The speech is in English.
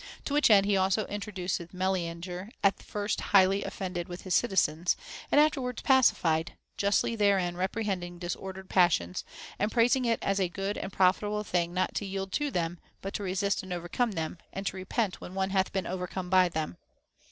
To which end he also introduceth Meleager at first highly offended with his citizens, and afterwards pacified ; justly therein reprehending disordered passions, and praising it as a good and profitable thing not to yield to them, but to resist and overcome them, and to repent when one hath been overcome by them.